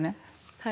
はい。